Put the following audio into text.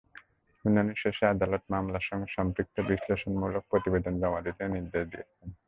শুনানি শেষে আদালত মামলার সঙ্গে সম্পৃক্ত বিশ্লেষণমূলক প্রতিবেদন জমা দিতে নির্দেশ দিয়েছেন।